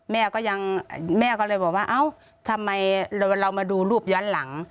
แม่ก็เลยบอกว่าทำไมเรามาดูรูปย้อนหลัง